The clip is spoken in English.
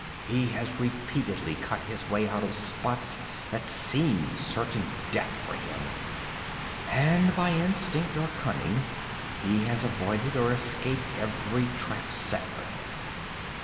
'He has repeatedly cut his way out of spots that seemed certain death for him. And, by instinct or cunning, he has avoided or escaped every trap set for him.'